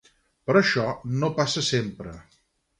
Però això no passa sempre.